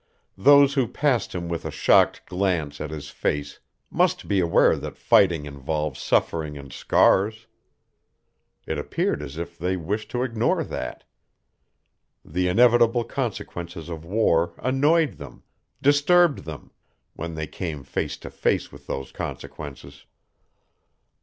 Those who passed him with a shocked glance at his face must be aware that fighting involves suffering and scars. It appeared as if they wished to ignore that. The inevitable consequences of war annoyed them, disturbed them, when they came face to face with those consequences.